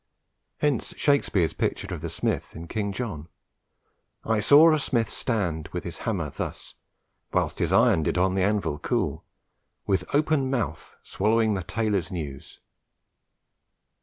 Hence Shakespeare's picture of the smith in King John: "I saw a smith stand with his hammer, thus, The whilst his iron did on the anvil cool, With open mouth swallowing a tailor's news."